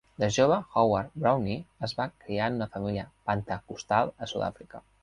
De jove Howard-Browne es va criar en una família pentecostal a Sud-Àfrica.